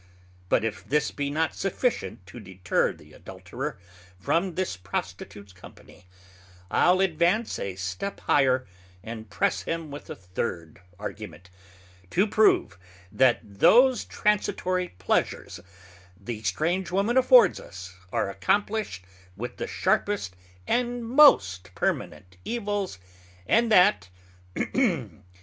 But if this be not sufficient to deter the Adulterer from this Prostitutes company, I'le advance a step higher, and press him with a third Argument, to prove, That those transitory pleasures the strange Woman affords us are accompanied with the sharpest and most permanent evils: and that 3.